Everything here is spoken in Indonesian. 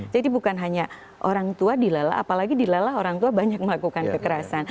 jadi bukan hanya orang tua dilalah apalagi dilalah orang tua banyak melakukan kekerasan